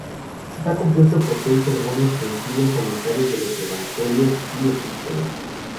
Está compuesto por seis sermones que incluyen comentarios de los Evangelios y epístolas.